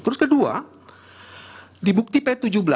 terus kedua di bukti p tujuh belas